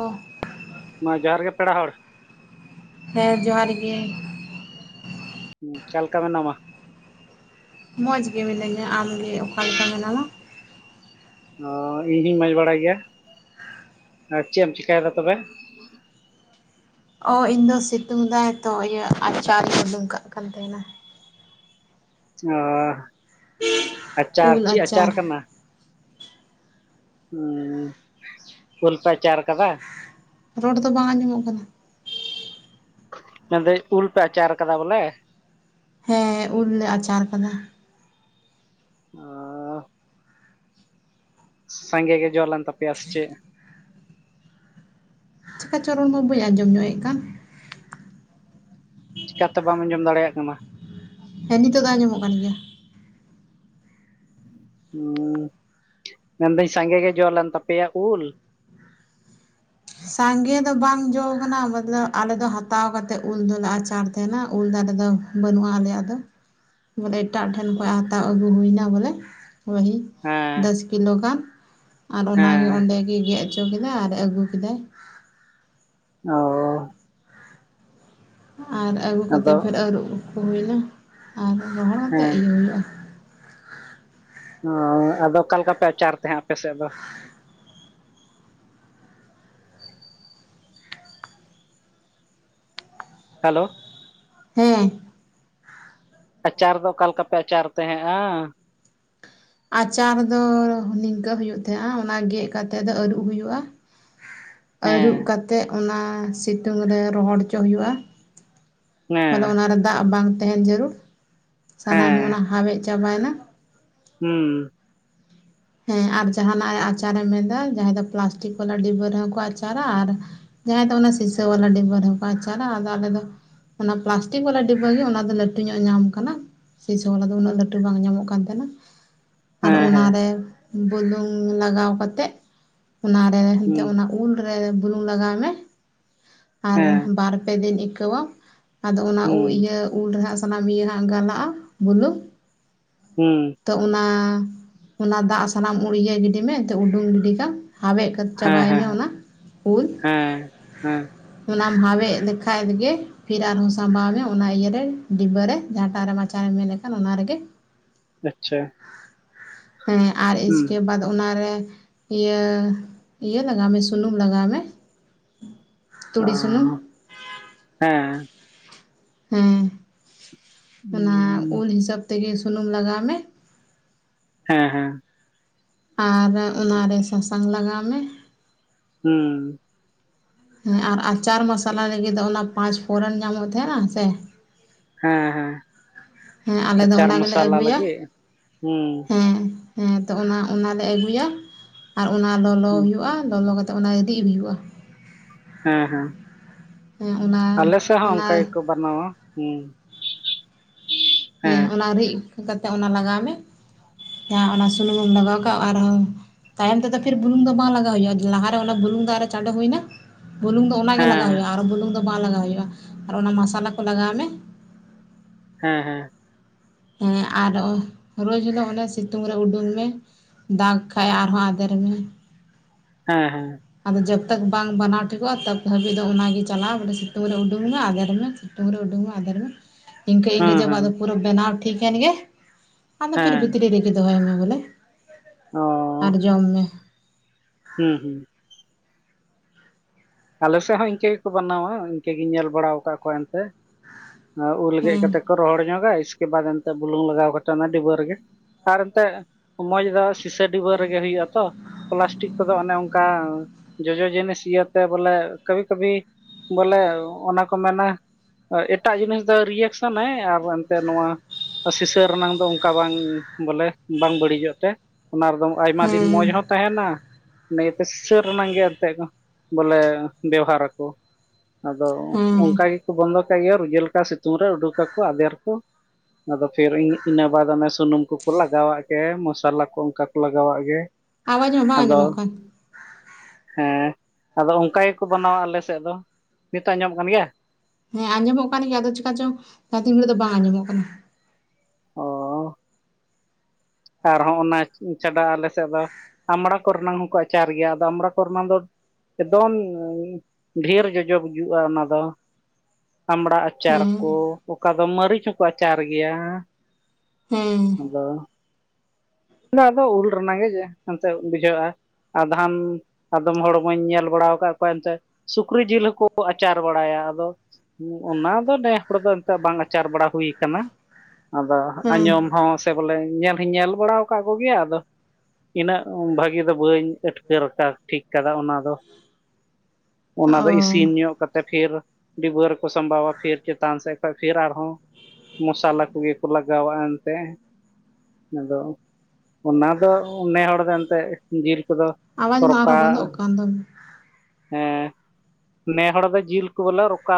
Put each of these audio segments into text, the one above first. ᱚ ᱢᱟ ᱡᱚᱦᱟᱨ ᱜᱮ ᱯᱮᱲᱟ ᱦᱚᱲ ᱦᱮᱸ ᱡᱚᱦᱟᱨ ᱜᱮ ᱪᱟᱞᱠᱟ ᱢᱮᱱᱟ ᱢᱟ ᱢᱚᱸᱡᱽ ᱜᱮ ᱢᱤᱱᱟᱹᱧᱟ ᱟᱢᱜᱮ ᱚᱠᱟ ᱞᱮᱠᱟ ᱢᱮᱱᱟᱢᱟ ᱚ ᱤᱧᱦᱚᱧ ᱢᱚᱡᱽ ᱵᱟᱲᱟ ᱜᱮᱭᱟ ᱟᱨ ᱪᱮᱫ ᱮᱢ ᱪᱤᱠᱟᱭᱫᱟ ᱛᱚᱵᱮ ᱚ ᱤᱧᱫᱚ ᱥᱤᱛᱩᱝ ᱫᱟᱭ ᱛᱚ ᱤᱭᱟᱹ ᱟᱪᱟᱨᱤᱧ ᱩᱰᱩᱝ ᱠᱟᱜ ᱠᱟᱱ ᱛᱟᱦᱮᱱᱟ ᱚ ᱟᱪᱟᱨ ᱪᱮᱫ ᱟᱪᱟᱨ ᱠᱟᱱᱟ [unintelligible] ᱩᱞ ᱯᱮ ᱟᱪᱟᱨ ᱠᱟᱫᱟ ᱨᱳᱲ ᱫᱚ ᱵᱟᱝ ᱟᱸᱡᱚᱢᱚᱜ ᱠᱟᱱᱟ ᱢᱮᱱᱫᱟᱹᱧ ᱩᱞ ᱯᱮ ᱟᱪᱟᱨ ᱠᱟᱫᱟ ᱵᱚᱞᱮ ᱦᱮᱸ ᱩᱞ ᱞᱮ ᱟᱪᱟᱨ ᱠᱟᱫᱟ ᱚ ᱥᱟᱸᱜᱮ ᱜᱮ ᱡᱚᱞᱮᱱ ᱛᱟᱯᱮᱭᱟ ᱥᱮ ᱪᱮᱫ ᱪᱤᱠᱟ ᱪᱚ ᱨᱚᱲ ᱢᱟ ᱵᱟᱹᱧ ᱟᱸᱡᱚᱢ ᱧᱚᱜᱮᱫ ᱠᱟᱱ ᱪᱤᱠᱟᱛᱮ ᱵᱟᱢ ᱟᱸᱡᱚᱢ ᱫᱟᱲᱮᱭᱟᱜ ᱠᱟᱱᱟ ᱦᱮᱸ ᱱᱤᱛᱚᱜ ᱫᱚ ᱟᱸᱡᱚᱢᱚᱜ ᱠᱟᱱ ᱜᱮᱭᱟ ᱦᱮᱸ ᱢᱮᱱᱫᱟᱹᱧ ᱥᱟᱸᱜᱮ ᱜᱮ ᱡᱚᱞᱮᱱ ᱛᱟᱯᱮᱭᱟ ᱩᱞ [unintelligible] ᱥᱟᱸᱜᱮ ᱫᱚ ᱵᱟᱝ ᱡᱚ ᱟᱠᱟᱱᱟ ᱢᱚᱛᱞᱚᱵ ᱟᱞᱮ ᱫᱚ ᱦᱟᱛᱟᱣ ᱠᱟᱛᱮᱫ ᱩᱞ ᱫᱚᱞᱮ ᱟᱪᱟᱨ ᱛᱟᱦᱮᱸᱱᱟ ᱩᱞ ᱫᱟᱨᱮ ᱟᱞᱮ ᱫᱚ ᱵᱟᱹᱱᱩᱜᱼᱟ ᱟᱞᱮᱭᱟᱜ ᱫᱚ ᱵᱚᱞᱮ ᱮᱴᱟᱜ ᱴᱷᱮᱱ ᱠᱷᱚᱱ ᱦᱟᱛᱟᱣ ᱟᱹᱜᱩ ᱦᱩᱭᱱᱟ ᱵᱚᱞᱮ ᱦᱚᱭ ᱦᱮᱸ ᱫᱚᱥ ᱠᱤᱞᱳ ᱜᱟᱱ ᱟᱨ ᱦᱮᱸ ᱚᱱᱟᱜᱮ ᱚᱸᱰᱮ ᱜᱮᱭ ᱜᱮᱫ ᱦᱚᱪᱚ ᱠᱮᱫᱟᱭ ᱟᱨ ᱟᱹᱜᱩ ᱠᱮᱫᱟᱭ ᱚ ᱟᱨ ᱟᱹᱜᱩ ᱟᱫᱚ ᱠᱟᱛᱮᱫ ᱯᱷᱮᱨ ᱟᱹᱨᱩᱵ ᱠᱚ ᱦᱩᱭᱱᱟ ᱟᱨ ᱨᱚᱦᱚᱲ ᱠᱟᱛᱮᱫ ᱦᱮᱸ ᱤᱭᱟᱹ ᱦᱩᱭᱩᱜᱼᱟ᱾ ᱚ ᱟᱫᱚ ᱚᱠᱟᱞᱮᱠᱟ ᱯᱮ ᱟᱪᱟᱨ ᱛᱟᱦᱮᱸᱫ ᱟᱯᱮ ᱥᱮᱫ ᱫᱚ ᱦᱮᱞᱳ ᱦᱮᱸ ᱟᱪᱟᱨ ᱫᱚ ᱚᱠᱟ ᱞᱮᱠᱟ ᱯᱮ ᱟᱪᱟᱨ ᱛᱟᱦᱮᱸᱜ-ᱟ ᱟᱪᱟᱨ ᱫᱚ ᱱᱤᱝᱠᱟᱹ ᱦᱩᱭᱩᱜ ᱛᱟᱦᱮᱸᱜ - ᱟ ᱚᱱᱟ ᱜᱮᱫ ᱠᱟᱛᱮᱜ ᱫᱚ ᱟᱹᱨᱩᱵ ᱦᱩᱭᱩᱜᱼᱟ ᱟᱹᱨᱩᱵ ᱦᱮᱸ ᱠᱟᱛᱮᱫ ᱚᱱᱟ ᱥᱤᱛᱩᱝ ᱨᱮ ᱨᱚᱦᱚᱲ ᱦᱚᱪᱚ ᱦᱩᱭᱩᱜᱼᱟ᱾ ᱦᱮᱸ ᱵᱚᱞᱮ ᱚᱱᱟᱨᱮ ᱫᱟᱜ ᱵᱟᱝ ᱛᱟᱦᱮᱱ ᱡᱟᱹᱨᱩᱲ ᱥᱟᱱᱟᱢᱟᱜ ᱦᱮᱸ ᱚᱱᱟ ᱦᱟᱣᱮᱫ ᱪᱟᱵᱟᱭᱮᱱᱟ ᱦᱩᱸ ᱦᱮᱸ ᱟᱨ ᱡᱟᱦᱦᱟᱱᱟᱜ ᱟᱪᱟᱨᱮ ᱢᱮᱱᱫᱟ ᱡᱟᱦᱟᱸᱭ ᱫᱚ ᱯᱞᱟᱥᱴᱤᱠ ᱵᱟᱞᱟ ᱰᱤᱵᱟᱹ ᱨᱮᱦᱚᱸ ᱠᱚ ᱟᱪᱟᱨᱟ ᱟᱨ ᱡᱟᱦᱟᱸᱭ ᱫᱚ ᱚᱱᱟ ᱥᱤᱥᱟᱹ ᱵᱟᱞᱟ ᱰᱤᱵᱟᱹ ᱨᱮᱦᱚᱸ ᱠᱚ ᱟᱪᱟᱨᱟ ᱟᱫᱚ ᱟᱞᱮ ᱫᱚ ᱚᱱᱟ ᱯᱞᱟᱥᱴᱤᱠ ᱵᱟᱞᱟ ᱟᱹᱰᱤ ᱵᱷᱟᱹᱜᱤ ᱚᱱᱟ ᱫᱚ ᱞᱟᱹᱴᱩ ᱧᱚᱜ ᱧᱟᱢ ᱟᱠᱟᱱᱟ᱾ [unintelligible] ᱫᱚ ᱩᱱᱟᱹᱜ ᱞᱟᱹᱴᱩ ᱵᱟᱝ ᱧᱟᱢᱚᱜ ᱠᱟᱱ ᱛᱟᱦᱮᱱᱟ᱾ ᱟᱨ ᱦᱮᱸ ᱦᱮᱸ ᱚᱱᱟᱨᱮ ᱵᱩᱞᱩᱝ ᱞᱟᱜᱟᱣ ᱠᱟᱛᱮᱫ ᱚᱱᱟᱨᱮ ᱮᱱᱛᱮ ᱦᱩᱸ ᱚᱱᱟ ᱩᱞᱨᱮ ᱵᱩᱞᱩᱝ ᱞᱟᱜᱟᱣ ᱢᱮ ᱟᱨ ᱦᱮᱸ ᱵᱟᱨ ᱯᱮ ᱫᱤᱱ ᱟᱹᱭᱠᱟᱹᱣᱟ ᱟᱫᱚ ᱚᱱᱟ ᱦᱩᱸ ᱤᱭᱟᱹ ᱩᱞ ᱨᱮᱱᱟᱜ ᱥᱟᱱᱟᱢᱤᱭᱟᱹ ᱦᱟᱜ ᱜᱟᱞᱟᱜᱼᱟ ᱵᱩᱞᱩᱝ ᱦᱩᱸ ᱛᱚ ᱚᱱᱟ᱾ ᱚᱱᱟ ᱫᱟᱜ ᱥᱟᱱᱟᱢ ᱩᱲᱤᱭᱟᱹ ᱜᱤᱰᱤ ᱢᱮ ᱩᱰᱩᱝ ᱜᱤᱰᱤ ᱠᱟᱢ ᱦᱟᱣᱮᱫ ᱠᱟᱛᱮ ᱦᱮᱸ ᱪᱟᱵᱟᱭ ᱢᱮ ᱦᱮᱸ ᱚᱱᱟ ᱩᱞ ᱦᱮᱸ ᱦᱮᱸ ᱚᱱᱟᱢ ᱦᱟᱣᱮᱫ ᱞᱮᱠᱷᱟᱡ ᱜᱮ ᱯᱷᱤᱨ ᱟᱨᱦᱚᱸ ᱥᱟᱢᱵᱟᱣ ᱢᱮ ᱚᱱᱟ ᱤᱭᱟᱹᱨᱮ ᱰᱤᱵᱟᱹ ᱨᱮ ᱡᱟᱦᱟᱸᱴᱟᱜ ᱨᱮ ᱟᱪᱟᱨᱮᱢ [unintelligible] ᱠᱷᱟᱱ ᱚᱱᱟ ᱨᱮ ᱜᱮ ᱟᱪᱪᱷᱟ ᱦᱮᱸ ᱟᱨ ᱦᱩᱸ ᱤᱥᱠᱮ ᱵᱟᱫ ᱚᱱᱟᱨᱮ᱾ ᱤᱭᱟᱹ ᱤᱭᱟᱹ ᱞᱟᱜᱟᱣ ᱢᱮ ᱥᱩᱱᱩᱢ ᱞᱟᱜᱟᱣ ᱢᱮ ᱛᱩᱲᱤ ᱥᱩᱱᱩᱢ ᱚ ᱦᱮᱸ ᱦᱮᱸ ᱚᱱᱟ ᱩᱞ ᱦᱤᱥᱟᱹᱵ ᱛᱮᱜᱮ ᱥᱩᱱᱩᱢ ᱞᱟᱜᱟᱣ ᱢᱮ ᱦᱮᱸ ᱦᱮᱸ ᱟᱨ ᱚᱱᱟᱨᱮ ᱥᱟᱥᱟᱝ ᱞᱟᱜᱟᱣ ᱢᱮ᱾ ᱦᱮᱸ ᱦᱮᱸ ᱟᱨ ᱟᱪᱟᱨ ᱢᱚᱥᱟᱞᱟ ᱞᱟᱹᱜᱤᱫ ᱚᱱᱟ ᱯᱟᱸᱪ ᱯᱷᱚᱨᱱ ᱧᱟᱢᱚᱜ ᱛᱟᱦᱮᱱᱟ ᱥᱮ᱾ ᱦᱮᱸ ᱦᱮᱸ ᱦᱮᱸ ᱟᱞᱮ ᱫᱚ ᱟᱪᱟᱨ ᱚᱱᱟ ᱜᱮᱞᱮ ᱢᱚᱥᱟᱞᱟ ᱟᱹᱜᱩᱭᱟ, ᱞᱟᱹᱜᱤᱫ ᱦᱩᱸ ᱦᱮᱸ ᱦᱮᱸ ᱛᱚ ᱚᱱᱟ ᱚᱱᱟᱞᱮ ᱟᱹᱜᱩᱭᱟ ᱟᱨ ᱚᱱᱟ ᱞᱚᱞᱚ ᱦᱩᱸ, ᱦᱩᱭᱩᱜᱼᱟ ᱞᱚᱞᱚ ᱠᱟᱛᱮ ᱛᱚ ᱚᱱᱟ ᱨᱤᱫ ᱦᱩᱭᱩᱜᱼᱟ᱾ ᱦᱮᱸ ᱦᱮᱸ ᱦᱮᱸ ᱚᱱᱟ ᱟᱞᱮ ᱥᱮᱫ ᱦᱚᱸ ᱚᱱᱟ ᱚᱱᱠᱟ ᱜᱮᱠᱚ ᱵᱟᱱᱟᱣᱟ᱾ ᱦᱩᱸ ᱦᱮᱸ ᱚᱱᱟ ᱨᱤᱫ ᱠᱟᱛᱮᱫ ᱚᱱᱟ ᱞᱟᱜᱟᱣ ᱢᱮ᱾ ᱡᱟᱦᱟᱸ ᱚᱱᱟ ᱥᱩᱱᱩᱢ ᱞᱟᱜᱟᱣ ᱠᱟᱜ ᱟᱨᱦᱚᱸ ᱛᱟᱭᱚᱢ ᱛᱮᱫᱚ ᱯᱷᱤᱨ ᱵᱩᱞᱩᱝ ᱫᱚ ᱵᱟᱝ ᱞᱟᱜᱟᱣ ᱦᱩᱭᱩᱜᱼᱟ ᱞᱟᱦᱟᱨᱮ ᱵᱩᱞᱩᱝ ᱫᱚ ᱟᱨᱚ ᱪᱟᱸᱰᱳ ᱦᱩᱭᱱᱟ᱾ ᱵᱩᱞᱩᱝ ᱫᱚ ᱚᱱᱟᱜᱮ ᱞᱟᱜᱟᱣ ᱦᱮᱸ ᱦᱩᱭᱩᱜᱼᱟ ᱟᱨ ᱵᱩᱞᱩᱝ ᱫᱚ ᱵᱟᱝ ᱞᱟᱜᱟᱣ ᱦᱩᱭᱩᱜᱼᱟ ᱟᱨ ᱚᱱᱟ ᱢᱟᱥᱟᱞᱟ ᱠᱚ ᱞᱟᱜᱟᱣ ᱢᱮ᱾ ᱦᱮᱸ ᱦᱮᱸ ᱦᱮᱸ ᱟᱨ ᱨᱳᱡᱽ ᱦᱤᱞᱳᱜ ᱚᱱᱟ ᱥᱤᱛᱩᱝ ᱨᱮ ᱩᱰᱩᱠ ᱢᱮ᱾ ᱫᱟᱜᱽ ᱠᱷᱟᱭ ᱟᱨᱦᱚᱸ ᱟᱫᱮᱨ ᱢᱮ᱾ ᱦᱮᱸ ᱦᱮᱸ ᱡᱚᱵᱛᱟᱚᱠ ᱵᱟᱝ ᱵᱟᱱᱟᱣ ᱴᱷᱤᱠᱚᱜᱼᱟ ᱛᱚᱵ ᱦᱟᱹᱵᱤᱡ ᱫᱚ ᱚᱱᱟᱜᱮ ᱪᱟᱞᱟᱜᱼᱟ ᱵᱚᱞᱮ ᱥᱤᱛᱩᱝ ᱨᱮ ᱩᱰᱩᱝ ᱢᱮ ᱟᱫᱮᱨ ᱢᱮ ᱥᱤᱛᱩᱝ ᱨᱮ ᱩᱰᱩᱝ ᱢᱮ ᱟᱫᱮᱨ ᱢᱮ ᱤᱱᱠᱟᱹ ᱤᱧᱠᱟᱹ ᱦᱮᱸ ᱡᱟ ᱫᱚ ᱦᱮᱸ ᱯᱩᱨᱟᱹ ᱵᱮᱱᱟᱣ ᱴᱷᱤᱠ ᱮᱱ ᱜᱮ ᱟᱫᱚ ᱯᱷᱤᱨ ᱦᱮᱸ ᱵᱷᱤᱛᱨᱤ ᱨᱮᱜᱮ ᱫᱚᱦᱚᱭ ᱢᱮ᱾ ᱵᱚᱞᱮ ᱟᱨ ᱡᱚᱢ ᱢᱮ ᱦᱮᱸ ᱦᱮᱸ ᱟᱞᱮ ᱥᱮᱫ ᱦᱚᱸ ᱤᱱᱠᱟᱹ ᱜᱮᱠᱚ ᱵᱮᱱᱟᱣᱟ ᱤᱱᱠᱟᱹ ᱜᱤᱧ ᱧᱮᱞ ᱵᱟᱲᱟᱣ ᱠᱟᱜ ᱠᱚᱣᱟ ᱮᱱᱛᱮ ᱩᱞ ᱜᱮᱫ ᱦᱮᱸ ᱠᱟᱛᱮᱜ ᱠᱚ ᱨᱚᱦᱚᱲ ᱧᱚᱜᱟ ᱤᱥᱠᱮ ᱵᱟᱫ ᱮᱱᱛᱮᱜ ᱵᱩᱞᱩᱝ ᱞᱟᱜᱟᱣ ᱠᱟᱛᱮᱫ ᱚᱱᱟ ᱰᱤᱵᱟᱹ ᱨᱮᱜᱮ ᱟᱨ ᱮᱱᱛᱮᱜ ᱢᱚᱸᱡᱽ ᱫᱚ ᱥᱤᱥᱟᱹ ᱰᱤᱵᱟᱹ ᱨᱮᱜᱮ ᱦᱩᱭᱩᱜ ᱟ ᱛᱚ ᱯᱞᱟᱥᱴᱤᱠ ᱠᱚᱫᱚ ᱚᱱᱮ ᱚᱱᱠᱟ ᱡᱚᱡᱚ ᱡᱤᱱᱤᱥ ᱤᱭᱟᱹ ᱛᱚ ᱵᱚᱞᱮ ᱠᱚᱵᱷᱤ ᱠᱚᱵᱷᱤ ᱵᱚᱞᱮ ᱚᱱᱟ ᱠᱚ ᱢᱮᱱᱟ ᱮᱴᱟᱜ ᱡᱤᱱᱤᱥ ᱫᱚ ᱨᱤᱭᱮᱠᱥᱮᱱ ᱮ ᱟᱨ ᱮᱱᱛᱮᱫ ᱱᱚᱣᱟ ᱟᱨ ᱥᱤᱥᱟᱹ ᱨᱮᱱᱟᱝ ᱫᱚ ᱚᱱᱠᱟ ᱵᱟᱝ ᱵᱚᱞᱮ ᱵᱟᱝ ᱵᱟᱹᱲᱤᱡᱚᱜ ᱛᱮ ᱚᱱᱟ ᱨᱮᱫᱚ ᱟᱭᱢᱟ ᱫᱤᱱ ᱦᱮᱸ ᱢᱚᱡᱽ ᱦᱚᱸ ᱛᱟᱦᱮᱱᱟ ᱱᱤᱭᱟᱹᱛᱮ ᱥᱤᱥᱟᱹ ᱨᱮᱱᱟᱝ ᱜᱮ ᱮᱱᱛᱮᱫ ᱫᱚ ᱵᱚᱞᱮ ᱵᱮᱣᱦᱟᱨᱟᱠᱚ ᱟᱫᱚ ᱦᱮᱸ ᱚᱱᱠᱟ ᱜᱮᱠᱚ ᱵᱚᱱᱫᱚ ᱨᱩᱡᱟᱹ ᱞᱮᱠᱟ ᱥᱤᱛᱩᱝ ᱨᱮ ᱩᱰᱩᱠ ᱟᱠᱚ ᱟᱫᱮᱨ ᱠᱚ᱾ ᱟᱫᱚ ᱯᱷᱤᱨ ᱤᱱᱟᱹ ᱵᱟᱫ ᱚᱱᱮ ᱥᱩᱱᱩᱢ ᱠᱚᱠᱚ ᱞᱟᱜᱟᱣᱟᱜ ᱜᱮ ᱢᱚᱥᱟᱞᱟ ᱠᱚ ᱚᱱᱠᱟ ᱠᱚ ᱞᱟᱜᱟᱣᱟᱜ ᱜᱮ᱾ ᱟᱣᱟᱡ ᱢᱟᱸ ᱵᱟᱝ ᱟᱫᱚ ᱟᱸᱡᱚᱢᱚᱜ ᱠᱟᱱ᱾ ᱦᱮᱸ ᱟᱫᱚ ᱚᱱᱠᱟ ᱜᱮᱠᱚ ᱵᱮᱱᱟᱣᱟ ᱟᱞᱮ ᱥᱮᱫ ᱫᱚ ᱱᱤᱛ ᱟᱸᱡᱚᱢᱚᱜ ᱠᱟᱱ ᱜᱮᱭᱟ᱾ ᱦᱮᱸ ᱟᱸᱡᱚᱢᱚᱜ ᱠᱟᱱ ᱜᱮᱭᱟ᱾ ᱟᱫᱚ ᱪᱤᱠᱟ ᱪᱚᱝ ᱡᱟᱦᱟᱸ ᱛᱤᱱ ᱜᱷᱟᱹᱲᱤᱡ ᱫᱚ ᱵᱟᱝ ᱟᱸᱡᱚᱢᱚᱜ ᱠᱟᱱᱟ᱾ ᱚ ᱟᱨ ᱦᱚᱸ ᱚᱱᱟ ᱪᱷᱟᱰᱟ ᱟᱞᱮ ᱥᱮᱫ ᱫᱚ ᱟᱢᱲᱟ ᱠᱚᱨᱮᱱᱟᱜ ᱦᱚᱸᱠᱚ ᱟᱪᱟᱨ ᱜᱮᱭᱟ ᱟᱫᱚ ᱟᱢᱲᱟ ᱠᱚᱨᱮᱱᱟ ᱫᱚ ᱮᱠᱫᱚᱢ ᱰᱷᱮᱨ ᱡᱚᱡᱚ ᱜᱩᱡᱩᱜᱼᱟ᱾ ᱚᱱᱟ ᱫᱚ ᱟᱢᱲᱟ ᱟᱪᱟᱨ ᱦᱮᱸ ᱠᱚ ᱚᱠᱟ ᱫᱚ ᱢᱟᱹᱨᱤᱪ ᱦᱚᱸᱠᱚ ᱟᱪᱟᱨ ᱜᱮᱭᱟ᱾ ᱦᱮᱸ ᱟᱫᱚ ᱟᱫᱚ ᱩᱞ ᱨᱮᱱᱟᱜᱝ ᱜᱮ ᱦᱟᱱᱛᱮ ᱵᱩᱡᱷᱟᱹᱜᱼᱟ᱾ ᱟᱫᱷᱟᱱ ᱟᱫᱚᱢ ᱦᱚᱲᱢᱟᱧ ᱧᱮᱞ ᱵᱟᱲᱟ ᱟᱠᱟᱫ ᱠᱚᱣᱟ ᱮᱱᱛᱮ ᱥᱩᱠᱨᱤ ᱡᱤᱞ ᱦᱚᱸᱠᱚ ᱟᱪᱟᱨ ᱵᱟᱲᱟᱭᱟ᱾ ᱟᱫᱚ ᱚᱱᱟ ᱫᱚ ᱱᱮ ᱦᱚᱲ ᱫᱚ ᱮᱱᱛᱮᱜ ᱵᱟᱝ ᱟᱪᱟᱨ ᱵᱟᱲᱟ ᱦᱩᱭ ᱟᱠᱟᱱᱟ᱾ ᱟᱫᱚ ᱦᱮᱸ ᱟᱸᱡᱚᱢ ᱦᱚᱸ ᱥᱮ ᱵᱚᱞᱮ ᱧᱮᱞ ᱦᱚᱸᱧ ᱧᱮᱞ ᱵᱟᱲᱟ ᱟᱠᱟᱫ ᱠᱚᱜᱮᱭᱟ ᱟᱫᱚ ᱤᱱᱟᱹᱜ ᱵᱷᱟᱹᱜᱤ ᱫᱚ ᱵᱟᱹᱧ ᱟᱴᱠᱟᱹᱨ ᱠᱟᱫᱟ ᱴᱷᱤᱠ ᱠᱟᱫᱟ ᱚᱱᱟᱫᱚ ᱚᱱᱟ ᱚ ᱫᱚ ᱤᱥᱤᱱ ᱧᱚᱜ ᱠᱟᱛᱮ ᱯᱷᱤᱨ ᱰᱤᱵᱟᱹ ᱨᱮᱠᱚ ᱥᱟᱸᱵᱟᱣᱟ ᱯᱷᱤᱨ ᱪᱮᱛᱟᱱ ᱥᱮᱫ ᱵᱟ ᱯᱷᱤᱨ ᱟᱨᱦᱚᱸ ᱢᱟᱥᱟᱞᱟ ᱠᱚᱜᱮ ᱠᱚ ᱞᱟᱜᱟᱣᱟᱜ ᱮᱱᱛᱮᱫ ᱟᱫᱚ ᱚᱱᱟ ᱫᱚ ᱱᱮ ᱦᱚᱲ ᱫᱚ ᱮᱱᱛᱮᱫ ᱡᱤᱞ ᱫᱚ ᱟᱣᱟᱡᱽ ᱢᱟ ᱥᱚᱨᱚᱠᱟ ᱟᱨᱦᱚᱸ ᱵᱚᱱᱫᱚᱜ ᱠᱟᱱ ᱫᱚ ᱦᱮᱸ ᱱᱮ ᱦᱚᱲ ᱫᱚ ᱡᱤᱞ ᱠᱚ ᱵᱚᱞᱮ ᱨᱚᱠᱟ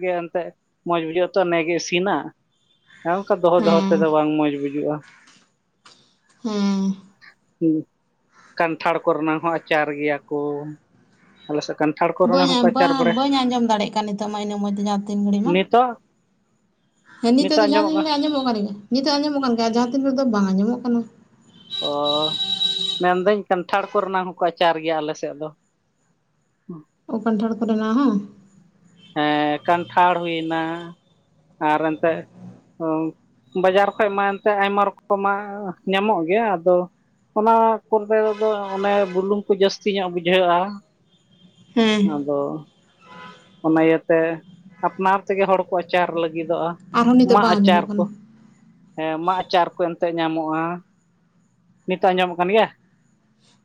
ᱜᱮ ᱮᱱᱛᱮᱫ ᱢᱚᱡᱽ ᱵᱩᱡᱷᱟᱹᱜ-ᱟ᱾ ᱛᱚ ᱱᱮ ᱜᱮ ᱤᱥᱤᱱᱟ᱾ ᱦ [inaudible] ᱦᱮ ᱚᱱᱠᱟ ᱫᱚᱦᱚ ᱫᱚᱦᱚ ᱛᱮᱫᱚ ᱵᱟᱝ ᱢᱚᱡᱽ ᱵᱩᱡᱩᱜᱼᱟ᱾ ᱦᱮᱸ ᱠᱟᱱᱴᱷᱟᱲ ᱠᱚᱨᱮᱱᱟᱝ ᱦᱚᱸ ᱟᱪᱟᱨ ᱜᱮᱭᱟ ᱠᱚ᱾ ᱟᱞᱮ ᱥᱮᱫ ᱠᱟᱱᱴᱷᱟᱲ ᱠᱚᱨᱮᱱᱟᱜ ᱵᱟᱹᱧ ᱟ ᱦᱚᱸᱠᱚ ᱟᱪᱟᱨ ᱵᱟᱲᱟᱭᱟ ᱵᱟᱹᱧ ᱟᱸᱡᱚᱢ ᱫᱟᱲᱮᱭᱟᱜ ᱠᱟᱱ ᱱᱤᱛᱚᱜ ᱢᱟ ᱤᱱᱟᱹ ᱢᱚᱪ ᱛᱮ ᱡᱟᱦᱟᱸ ᱛᱤᱱ ᱜᱷᱟᱹᱲᱤᱡ ᱢᱟ᱾ ᱱᱤᱛᱚᱜ ᱦᱮᱸ ᱱᱤᱛᱳᱜ ᱱᱤᱛᱚᱜ ᱫᱚ ᱡᱟᱦᱟᱸ ᱛᱤᱱ ᱠᱟᱱᱟ ᱜᱮ ᱟᱸᱡᱚᱢᱚᱜ ᱠᱟᱱ ᱜᱮᱭᱟ ᱱᱤᱛᱚᱜ ᱫᱚ ᱟᱸᱡᱚᱢᱚᱜ ᱠᱟᱱ ᱜᱮᱭᱟ᱾ ᱡᱟᱦᱟᱸ ᱛᱤᱱ ᱨᱮ ᱫᱚ ᱵᱟᱝ ᱟᱸᱡᱚᱢᱚᱜ ᱠᱟᱱᱟ᱾ ᱚ ᱢᱮᱱᱫᱟᱹᱧ ᱠᱟᱱᱴᱷᱟᱲ ᱠᱚᱨᱮᱱᱟ ᱦᱚᱸᱠᱚ ᱟᱪᱟᱨ ᱜᱮᱭᱟ ᱟᱞᱮ ᱥᱮᱫ ᱫᱚ᱾ ᱚ ᱠᱟᱱᱴᱷᱟᱲ ᱠᱚᱨᱮᱱᱟᱜ ᱦᱚᱸ ᱦᱮᱸ ᱠᱟᱱᱴᱷᱟᱲ ᱦᱩᱭᱱᱟ ᱟᱨ ᱮᱱᱛᱮᱫ ᱚ ᱵᱟᱡᱟᱨ ᱠᱷᱚᱡ ᱢᱟ ᱮᱱᱛᱮᱫ ᱟᱭᱢᱟ ᱨᱚᱠᱚᱢᱟᱜ ᱧᱟᱢᱚᱜ ᱜᱮᱭᱟ ᱟᱫᱚ ᱚᱱᱟ ᱠᱚᱨᱮ ᱫᱚ ᱚᱱᱮ ᱵᱩᱞᱩᱝ ᱠᱚ ᱡᱟᱹᱥᱛᱤ ᱧᱚᱜ ᱵᱩᱡᱷᱟᱹᱜᱼᱟ᱾ ᱦᱮᱸ ᱟᱫᱚ ᱚᱱᱟ ᱤᱭᱟᱹᱛᱮ ᱟᱯᱱᱟᱨ ᱛᱮᱜᱮ ᱦᱚᱲ ᱠᱚ ᱟᱪᱟᱨ ᱞᱟᱹᱜᱤᱫ ᱞᱟᱹᱜᱤᱫᱚᱜᱼᱟ᱾ ᱟᱨᱦᱚᱸ ᱱᱤᱛᱚᱜ ᱢᱟᱜ ᱵᱟᱝ ᱟᱪᱟᱨ ᱟᱸᱡᱚᱢᱚᱜ ᱠᱚ ᱠᱟᱱᱟ ᱦᱮᱸ ᱢᱟᱜ ᱟᱪᱟᱨ ᱠᱚ ᱮᱱᱛᱮᱜ ᱧᱟᱢᱚᱜᱼᱟ᱾ ᱱᱤᱛᱚᱜ ᱟᱸᱡᱚᱢᱚᱜ ᱠᱟᱱ ᱜᱮᱭᱟ?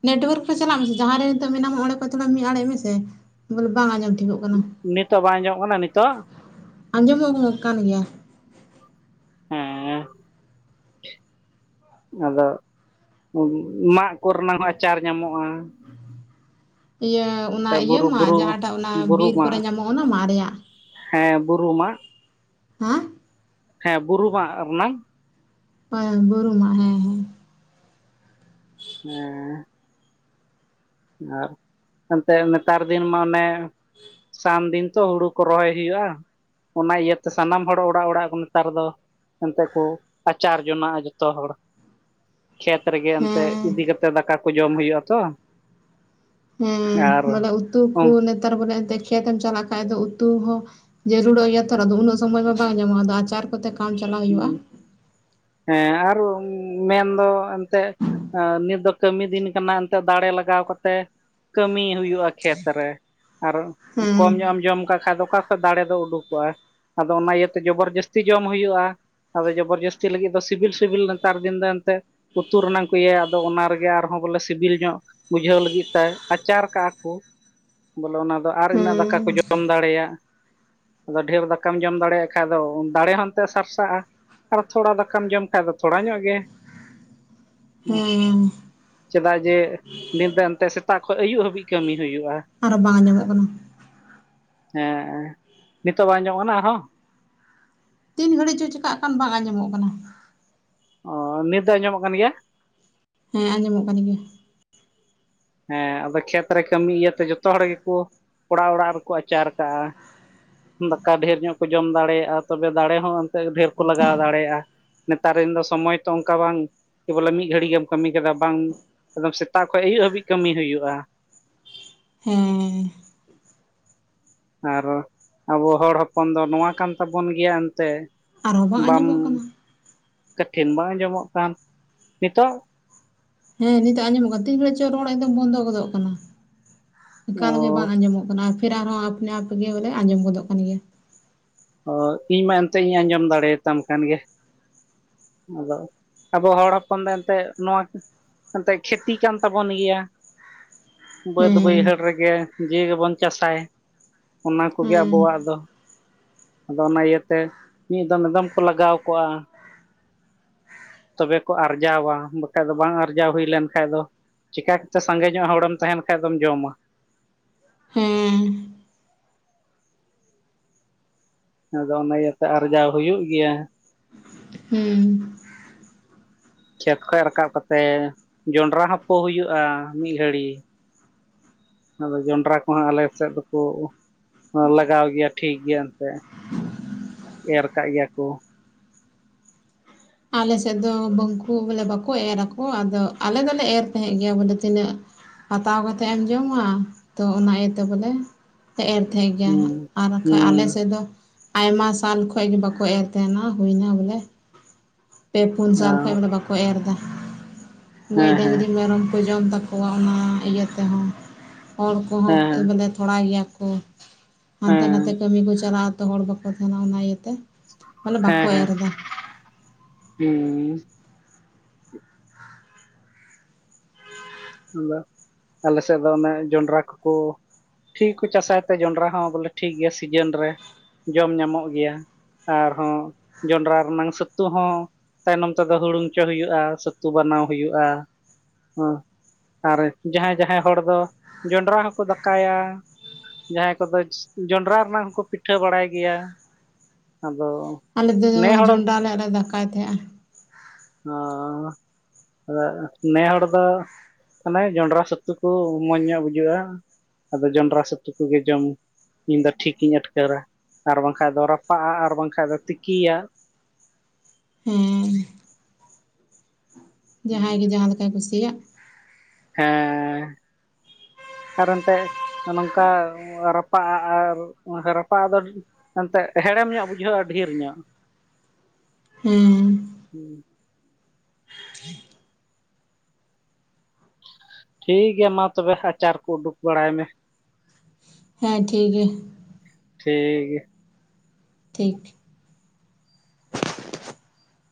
ᱱᱮᱴᱳᱣᱟᱨᱠ ᱠᱚ ᱪᱟᱞᱟᱜ ᱢᱮᱥᱮ ᱡᱟᱦᱟᱸᱨᱮ ᱱᱤᱛᱚᱜ ᱢᱮᱱᱟᱢ ᱚᱸᱰᱮ ᱠᱷᱚᱱ ᱪᱟᱞᱟᱜ ᱢᱮ ᱢᱤᱫ ᱟᱲᱮ ᱢᱮᱥᱮ ᱵᱚᱞᱮ ᱵᱟᱝ ᱟᱸᱡᱚᱢ ᱴᱷᱤᱠᱚᱜ ᱠᱟᱱᱟ ᱱᱤᱛᱚᱜ ᱵᱟᱝ ᱟᱡᱚᱢ ᱠᱟᱱᱟ ᱱᱤᱛᱚᱜ ᱟᱸᱡᱚᱢᱚᱜ ᱠᱟᱱ ᱜᱮᱭᱟ᱾ [inaudible] ᱦᱮᱸ ᱟᱫᱚ ᱢᱟᱜ ᱠᱚᱨᱮᱱᱟ ᱦᱚᱸ ᱟᱪᱟᱨ ᱧᱟᱢᱚᱜᱼᱟ᱾ ᱤᱭᱟᱹ ᱚᱱᱟ ᱤᱭᱟᱹ ᱵᱩᱨᱩ ᱢᱟ ᱵᱩᱨᱩ ᱡᱟᱦᱟᱸᱴᱟᱜ ᱚᱱᱟ ᱵᱩᱨᱩ ᱵᱤᱨ ᱠᱚᱨᱮ ᱢᱟᱜ ᱧᱟᱢᱚᱜ ᱚᱱᱟ ᱢᱟᱜ ᱨᱮᱭᱟᱜ ᱦᱮᱸ ᱵᱩᱨᱩ ᱢᱟᱜ ᱦᱮᱸ ᱦᱮᱸ ᱵᱩᱨᱩ ᱢᱟᱜ ᱨᱮᱱᱟᱝ ᱵᱩᱨᱩ ᱢᱟᱜ ᱦᱮᱸ ᱦᱮᱸ ᱦᱮᱸ ᱟᱨ ᱮᱱᱛᱮᱫ ᱱᱮᱛᱟᱨ ᱫᱤᱱ ᱢᱟ ᱚᱱᱮ ᱥᱟᱱ ᱫᱤᱱ ᱛᱚ ᱦᱩᱲᱩ ᱠᱚ ᱨᱚᱦᱚᱭ ᱦᱩᱭᱩᱜᱼᱟ᱾ ᱚᱱᱟ ᱤᱭᱟᱹᱛᱮ ᱥᱟᱱᱟᱢ ᱦᱚᱲ ᱚᱲᱟᱜ ᱚᱲᱟᱜ ᱠᱚ ᱱᱮᱛᱟᱨ ᱫᱚ ᱮᱱᱛᱮᱜ ᱠᱚ ᱟᱪᱟᱨ ᱡᱚᱱᱟᱜᱼᱟ ᱡᱚᱛᱚ ᱦᱚᱲ ᱠᱷᱮᱛ ᱨᱮᱜᱮ ᱮᱱᱛᱮᱜ ᱦᱮᱸ ᱤᱫᱤ ᱠᱟᱛᱮᱜ ᱫᱟᱠᱟ ᱠᱚ ᱡᱚᱢ ᱦᱩᱭᱩᱜᱼᱟ ᱛᱚ ᱦᱮᱸ ᱟᱨ ᱵᱚᱞᱮ ᱩᱛᱩ ᱠᱚ ᱦᱮᱸ ᱱᱮᱛᱟᱨ ᱵᱚᱞᱮ ᱮ ᱠᱷᱮᱛ ᱮᱢ ᱪᱟᱞᱟᱜ ᱠᱷᱟ ᱫᱚ ᱩᱛᱩ ᱦᱚᱸ ᱡᱟᱹᱨᱩᱲᱚᱜ ᱜᱮᱭᱟ ᱛᱚ ᱩᱱᱟᱹᱜ ᱥᱚᱢᱚᱭ ᱢᱟ ᱵᱟᱝ ᱧᱟᱢᱚᱜᱼᱟ ᱟᱫᱚ ᱟᱪᱟᱨ ᱠᱚᱛᱮ ᱠᱟᱢ ᱪᱟᱞᱟᱣ ᱦᱮᱸ ᱦᱩᱭᱩᱜᱼᱟ ᱦᱮᱸ ᱟᱨ ᱢᱮᱱᱫᱚ ᱮᱱᱛᱮᱫ ᱱᱤᱛ ᱫᱚ ᱠᱟᱹᱢᱤ ᱫᱤᱱ ᱠᱟᱱᱟ ᱮᱱᱛᱮᱫ ᱫᱟᱲᱮ ᱞᱟᱜᱟᱣ ᱠᱟᱛᱮ ᱠᱟᱹᱢᱤ ᱦᱩᱭᱩᱜᱼᱟ ᱠᱷᱮᱛ ᱨᱮ ᱟᱨ ᱦᱮᱸ ᱠᱚᱢ ᱧᱚᱜ ᱮᱢ ᱡᱚᱢ ᱠᱟᱜ ᱠᱷᱟᱡ ᱫᱚ ᱚᱠᱟ ᱫᱟᱲᱮ ᱫᱚ ᱩᱰᱩᱠᱚᱜᱼᱟ ᱟᱫᱚ ᱚᱱᱟ ᱤᱭᱟᱹᱛᱮ ᱡᱚᱵᱚᱨ ᱡᱟᱹᱥᱛᱤ ᱡᱚᱢ ᱦᱩᱭᱩᱜᱼᱟ ᱟᱫᱚ ᱡᱚᱵᱚᱨ ᱡᱟᱹᱥᱛᱤ ᱞᱟᱹᱜᱤᱫ ᱫᱚ ᱥᱤᱵᱤᱞ ᱥᱤᱵᱤᱞ ᱱᱮᱛᱟᱨ ᱫᱤᱱ ᱫᱚ ᱮᱱᱛᱮᱜ ᱩᱛᱩ ᱨᱮᱱᱟᱜᱝ ᱠᱚ ᱤᱭᱟᱹ ᱟᱫᱚ ᱚᱱᱟ ᱨᱮᱜᱮ ᱟᱨᱦᱚᱸ ᱵᱚᱞᱮ ᱥᱤᱵᱤᱞ ᱧᱚᱜ ᱵᱩᱡᱷᱟᱹᱣ ᱞᱟᱹᱜᱤᱫ ᱛᱮ ᱟᱪᱟᱨ ᱠᱟᱜᱼᱟ ᱠᱚ ᱵᱚᱞᱮ ᱚᱱᱟ ᱟᱫᱚ ᱟᱨ ᱤᱱᱟᱹᱜ ᱫᱟᱠᱟ ᱠᱚ ᱦᱮᱸ ᱡᱚᱢ ᱫᱟᱲᱮᱭᱟᱜ ᱟᱫᱚ ᱰᱷᱮᱨ ᱫᱟᱠᱟᱢ ᱡᱚᱢ ᱫᱟᱲᱮᱭᱟᱜ ᱠᱷᱟᱡ ᱫᱚ ᱫᱟᱲᱮ ᱦᱚᱱᱛᱮ ᱥᱟᱨ ᱟᱨ ᱛᱷᱚᱲᱟ ᱫᱟᱠᱟᱢ ᱡᱚᱢ ᱠᱷᱟᱡ ᱫᱚ ᱛᱷᱚᱲᱟ ᱧᱚᱜ ᱜᱮ ᱦᱮᱸ ᱪᱮᱫᱟᱜ ᱡᱮ ᱱᱤᱫ ᱫᱚ ᱮᱱᱛᱮᱜ ᱥᱮᱛᱟᱜ ᱠᱷᱚᱱ ᱟᱹᱭᱩᱵ ᱦᱟᱹᱵᱤᱡ ᱠᱟᱹᱢᱤ ᱦᱩᱭᱩᱜᱼᱟ ᱟᱨᱦᱚ ᱵᱟᱝ ᱟᱸᱡᱚᱢᱚᱜ ᱠᱟᱱᱟ ᱦᱮᱸ ᱱᱤᱛᱚᱜ ᱵᱟᱝ ᱧᱚᱜ ᱠᱟᱱᱟ ᱟᱨᱦᱚᱸ ᱛᱤᱱ ᱜᱷᱟᱹᱲᱤᱡ ᱪᱚ ᱪᱤᱠᱟᱹᱜ ᱠᱟᱱ ᱵᱟᱝ ᱟᱸᱡᱚᱢᱚᱜ ᱠᱟᱱᱟ ᱚ ᱱᱤᱛ ᱫᱚ ᱟᱸᱡᱚᱢᱚᱜ ᱠᱟᱱ ᱜᱮᱭᱟ ᱦᱮᱸ ᱟᱸᱡᱚᱢᱚᱜ ᱠᱟᱱ ᱜᱮᱭᱟ ᱦᱮᱸ ᱟᱫᱚ ᱠᱷᱮᱛ ᱨᱮ ᱠᱟᱹᱢᱤ ᱤᱭᱟᱹᱛᱮ ᱡᱚᱛᱚ ᱦᱚᱲ ᱜᱮᱠᱚ ᱚᱲᱟᱜ ᱚᱲᱟᱜ ᱨᱮᱠᱚ ᱟᱪᱟᱨ ᱠᱟᱜᱼᱟ ᱫᱟᱠᱟ ᱰᱷᱮᱨ ᱧᱚᱜ ᱠᱚ ᱡᱚᱢ ᱫᱟᱲᱮᱭᱟᱜᱼᱟ ᱛᱚᱵᱮ ᱫᱟᱲᱮ ᱦᱚᱸ ᱮᱱᱛᱮᱜ ᱰᱷᱮᱨ ᱠᱚ ᱞᱟᱜᱟᱣ ᱫᱟᱲᱮᱭᱟᱜᱼᱟ ᱱᱮᱛᱟᱨ ᱨᱮᱱ ᱫᱚ ᱥᱚᱢᱚᱭ ᱛᱚ ᱚᱱᱠᱟ ᱵᱟᱝ ᱠᱮ ᱵᱚᱞᱮ ᱢᱤᱫ ᱜᱷᱟᱹᱲᱤᱡ ᱜᱮᱢ ᱠᱟᱹᱢᱤ ᱠᱟᱫᱟ ᱵᱟᱝ ᱮᱫᱚᱢ ᱥᱮᱛᱟᱜ ᱠᱷᱚᱱ ᱟᱹᱭᱩᱵ ᱦᱟᱹᱵᱤᱡ ᱠᱟᱹᱢᱤ ᱦᱩᱭᱩᱜᱼᱟ ᱦᱮᱸ ᱟᱨ ᱟᱵᱚ ᱦᱚᱲ ᱦᱚᱯᱚᱱ ᱫᱚ ᱱᱚᱣᱟ ᱠᱟᱱ ᱛᱟᱵᱚᱱ ᱜᱮᱭᱟ ᱮᱱᱛᱮ ᱟᱨᱦᱚᱸ ᱵᱟᱝ ᱟᱸᱡᱚᱢᱚᱜ ᱠᱟᱱᱟ ᱠᱚᱴᱷᱤᱱ ᱵᱟᱝ ᱟᱸᱡᱚᱢᱚᱜ ᱠᱟᱱ ᱱᱤᱛᱚᱜ ᱦᱮᱸ ᱱᱤᱛᱚᱜ ᱟᱸᱡᱚᱢᱚᱜ ᱠᱟᱱᱟ ᱛᱤᱱ ᱜᱷᱟᱹᱲᱤᱡ ᱪᱚ ᱨᱚᱲ ᱮᱠᱫᱚᱢ ᱵᱚᱱᱫᱚ ᱜᱚᱫᱚᱜ ᱠᱟᱱᱟ ᱮᱠᱟᱞᱜᱮ ᱚ ᱵᱟᱝ ᱟᱸᱡᱚᱢᱚᱜ ᱠᱟᱱᱟ ᱯᱷᱤᱨ ᱟᱨᱦᱚᱸ ᱟᱯᱱᱟ ᱟᱯ ᱜᱮ ᱵᱚᱞᱮ ᱟᱸᱡᱚᱢ ᱜᱚᱫᱚᱜ ᱠᱟᱱ ᱜᱮᱭᱟ ᱚ ᱤᱧ ᱢᱟ ᱮᱱᱛᱮᱜ ᱤᱧ ᱟᱸᱡᱚᱢ ᱫᱟᱲᱮᱭᱟᱛᱟᱢ ᱠᱟᱱ ᱜᱮ ᱟᱫᱚ ᱟᱵᱚ ᱦᱚᱲ ᱦᱚᱯᱚᱱ ᱫᱚ ᱮᱱᱛᱮᱫ ᱱᱚᱣᱟ ᱮᱱᱛᱮᱫ ᱠᱷᱮᱛᱤ ᱠᱟᱱ ᱛᱟᱵᱚᱱ ᱜᱮᱭᱟ ᱵᱟᱹᱫᱽ ᱦᱮᱸ ᱵᱟᱹᱭᱦᱟᱹᱲ ᱨᱮᱜᱮ ᱡᱤᱣᱤ ᱜᱮᱵᱚᱱ ᱪᱟᱥᱟᱭ ᱚᱱᱟ ᱠᱚᱜᱮ ᱦᱮᱸ ᱟᱵᱚᱣᱟᱜ ᱫᱚ ᱟᱫᱚ ᱚᱱᱟ ᱤᱭᱟᱹᱛᱮ ᱢᱤᱫ ᱫᱚᱢ ᱫᱚᱢᱮ ᱠᱚ ᱞᱟᱜᱟᱣ ᱠᱚᱜᱼᱟ ᱛᱚᱵᱮ ᱠᱚ ᱟᱨᱡᱟᱣᱟ ᱵᱟᱠᱷᱟᱡ ᱫᱚ ᱵᱟᱝ ᱟᱨᱡᱟᱣ ᱦᱩᱭ ᱞᱮᱱᱠᱷᱟᱱ ᱫᱚ ᱪᱤᱠᱟ ᱠᱟᱛᱮᱜ ᱥᱟᱸᱜᱮ ᱧᱚᱜ ᱦᱚᱲᱮᱢ ᱛᱟᱦᱮᱱ ᱠᱷᱟᱱ ᱫᱚᱢ ᱡᱚᱢᱟ ᱦᱮᱸ ᱟᱫᱚ ᱚᱱᱟ ᱤᱭᱟᱹᱛᱮ ᱟᱨᱡᱟᱣ ᱦᱩᱭᱩᱜ ᱜᱮᱭᱟ ᱦᱮᱸ ᱠᱷᱮᱛ ᱠᱷᱚᱸᱡ ᱨᱟᱠᱟᱵ ᱠᱟᱛᱮᱜ ᱡᱚᱸᱰᱨᱟ ᱦᱚᱸ ᱯᱚ ᱦᱩᱭᱩᱜᱼᱟ ᱢᱤᱫ ᱜᱷᱟᱹᱲᱤ ᱟᱫᱚ ᱡᱚᱱᱰᱨᱟ ᱠᱚᱦᱚᱸ ᱟᱞᱮ ᱥᱮᱫ ᱫᱚᱠᱚ ᱦᱚᱸ ᱞᱟᱜᱟᱣ ᱜᱮᱭᱟ ᱴᱷᱤᱠ ᱜᱮᱭᱟ ᱮᱱᱛᱮᱫ ᱮᱨ ᱠᱟᱜ ᱜᱮᱭᱟ ᱠᱚ ᱟᱞᱮ ᱥᱮᱫ ᱫᱚ ᱵᱟᱝᱠᱩ ᱵᱚᱞᱮ ᱵᱟᱠᱚ ᱮᱨ ᱟᱠᱚ ᱟᱫᱚ ᱟᱞᱮ ᱫᱚᱞᱮ ᱮᱨ ᱛᱟᱦᱮᱸᱫ ᱜᱮᱭᱟ ᱵᱚᱞᱮ ᱛᱤᱱᱟᱹᱜ ᱦᱟᱛᱟᱣ ᱠᱟᱛᱮᱜ ᱮᱢ ᱡᱚᱢᱟ ᱛᱳ ᱚᱱᱟ ᱤᱭᱟᱹᱛᱮ ᱵᱚᱞᱮ ᱮᱨ ᱛᱟᱦᱮᱸ ᱜᱮᱭᱟ ᱦᱩᱸ ᱟᱨ ᱵᱟᱠᱟᱱ ᱦᱩᱸ ᱟᱞᱮ ᱥᱮᱫ ᱫᱚ ᱟᱭᱢᱟ ᱥᱟᱞ ᱠᱷᱚᱡ ᱜᱮ ᱵᱟᱠᱚ ᱮᱨ ᱛᱟᱸᱦᱮᱱᱟ ᱦᱩᱭᱱᱟ ᱵᱚᱞᱮ ᱯᱮ ᱯᱩᱱ ᱦᱮᱸ ᱥᱟᱞ ᱠᱷᱚᱡ ᱵᱚᱞᱮ ᱵᱟᱠᱚ ᱮᱨ ᱮᱫᱟ ᱜᱟᱹᱭ ᱦᱮᱸ ᱦᱮᱸ ᱰᱟᱝᱨᱤ ᱢᱮᱨᱚᱢ ᱠᱚ ᱡᱚᱢ ᱛᱟᱠᱚᱣᱟ ᱚᱱᱟ ᱤᱭᱟᱹ ᱛᱮᱦᱚᱸ ᱦᱚᱲ ᱠᱚᱦᱚᱸ ᱵᱚᱞᱮ ᱛᱷᱚᱲᱟ ᱜᱮᱭᱟ ᱠᱚ ᱦᱟᱱᱛᱮ ᱱᱟᱛᱮ ᱦᱮᱸ ᱠᱟᱹᱢᱤ ᱠᱚ ᱪᱟᱞᱟᱜ-ᱟ ᱦᱚᱲ ᱵᱟᱠᱚ ᱛᱱᱟ ᱚᱱᱟ ᱤᱭᱟᱹᱛᱮ ᱢᱟᱱᱮ ᱦᱮᱸ ᱵᱟᱠᱚ ᱮᱨ ᱮᱫᱟ᱾ ᱦᱮᱸ ᱟᱫᱚ ᱟᱞᱮ ᱥᱮᱫ ᱫᱚ ᱚᱱᱮ ᱡᱚᱱᱰᱨᱟ ᱠᱚᱠᱚ ᱯᱷᱷᱤᱠ ᱠᱚ ᱪᱟᱥᱟᱭ ᱛᱮ ᱡᱚᱱᱰᱨᱟ ᱦᱚᱸ ᱵᱚᱞᱮ ᱴᱷᱤᱠ ᱜᱮᱭᱟ ᱥᱤᱡᱤᱱ ᱨᱮ ᱡᱚᱢ ᱧᱟᱢᱚᱜ ᱜᱮᱭᱟ᱾ ᱟᱨᱦᱚᱸ ᱡᱚᱸᱰᱨᱟ ᱨᱮᱱᱟᱝ ᱥᱟᱹᱛᱩ ᱦᱚᱸ ᱛᱟᱭᱱᱚᱢ ᱛᱮᱫᱚ ᱦᱩᱲᱩᱝ ᱪᱚ ᱦᱩᱭᱩᱜᱼᱟ ᱪᱷᱟᱹᱛᱩ ᱵᱟᱱᱟᱣ ᱦᱩᱭᱩᱜᱼᱟ ᱾ ᱦᱮ ᱟᱨ ᱡᱟᱦᱟᱸᱭ ᱡᱟᱦᱟᱸᱭ ᱦᱚᱲ ᱫᱚ ᱡᱚᱸᱰᱨᱟ ᱦᱚᱸᱠᱚ ᱫᱟᱠᱟᱭᱟ᱾ ᱡᱟᱦᱟᱸᱭ ᱠᱚᱫᱚ ᱡᱚᱸᱰᱨᱟ ᱨᱮᱱᱟᱜ ᱦᱚᱸᱠᱚ ᱯᱤᱴᱷᱟᱹ ᱵᱟᱲᱟᱭ ᱜᱮᱭᱟ᱾ ᱟᱫᱚ ᱟᱞᱮ ᱫᱚ ᱱᱮ ᱦᱚᱲ ᱡᱚᱱᱰᱨᱟ ᱨᱮᱱᱟᱜ ᱞᱮ ᱫᱟᱠᱟᱭ ᱛᱟᱦᱮᱸᱱᱟ᱾ ᱚ ᱟ ᱱᱮᱦᱚᱲ ᱫᱚ ᱛᱟᱱᱮ ᱡᱚᱸᱰᱨᱟ ᱥᱟᱹᱛᱩ ᱠᱚ ᱢᱚᱡᱽ ᱧᱚᱜ ᱵᱩᱡᱟᱹᱜᱼᱟ ᱟᱫᱚ ᱡᱚᱱᱰᱨᱟ ᱥᱟᱹᱛᱩ ᱠᱚᱜᱮ ᱡᱚᱢ ᱤᱧᱫᱚ ᱴᱷᱤᱠ ᱤᱧ ᱟᱴᱠᱟᱹᱨᱟ ᱟᱨ ᱵᱟᱝᱠᱟᱸᱡ ᱫᱚ ᱨᱟᱯᱟᱜᱼᱟ ᱟᱨ ᱵᱟᱝᱠᱟᱸᱡ ᱫᱚ ᱛᱤᱠᱤᱭᱟᱜ᱾ ᱦᱮᱸ ᱡᱟᱦᱟᱸᱭ ᱜᱮ ᱡᱟᱦᱟᱸ ᱞᱮᱠᱟᱭ ᱠᱩᱥᱤᱭᱟᱜ᱾ ᱦᱮᱸ [inaudible] ᱟᱨ ᱮᱱᱛᱮ ᱱᱚᱝᱠᱟ ᱨᱟᱯᱟᱜᱼᱟ ᱟᱨ ᱨᱟᱯᱟᱜᱼᱟ ᱫᱚ ᱮᱱᱛᱮᱫ ᱦᱮᱲᱮᱢ ᱧᱚᱜ ᱵᱩᱡᱷᱟᱹᱜᱼᱟ ᱰᱷᱮᱨ ᱧᱚᱜ [inaudible] ᱦᱮᱸ ᱴᱷᱤᱠ ᱜᱮᱭᱟ ᱢᱟ ᱛᱚᱵᱮ ᱟᱪᱟᱨ ᱠᱚ ᱩᱰᱩᱠ ᱵᱟᱲᱟᱭ ᱢᱮ᱾ ᱦᱮᱸ ᱴᱷᱤᱠ ᱜᱮᱭᱟ᱾ ᱴᱷᱤᱠ ᱜᱮᱭᱟ ᱴᱷᱤᱠ